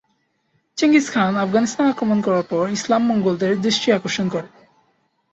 Genghis Khan Afghanistan আক্রমণ করার পর ইসলাম মঙ্গোলদের দৃষ্টি আকর্ষণ করে।